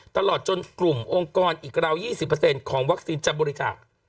ตลอดจนกลุ่มองค์กรอีกราว๒๐ของวัคซีนจะบริจาค